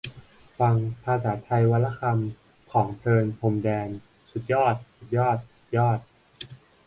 ฟัง 'ภาษาไทยวันละคำ' ของ เพลิน พรหมแดน สุดยอด ! สุดยอด ! สุดยอด !